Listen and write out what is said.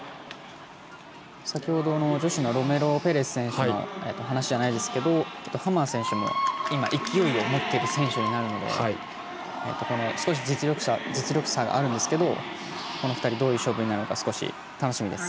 先ほど女子のロメロペレス選手の話じゃないですけどハマー選手も今、勢いを持っている選手になるので少し実力差があるんですけどこの２人どういう勝負になるのか少し楽しみです。